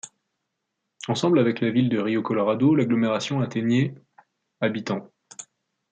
Ensemble avec la ville de Río Colorado, l'agglomération atteignait habitants.